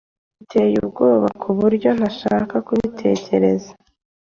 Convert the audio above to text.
Biteye ubwoba kuburyo ntashaka kubitekereza.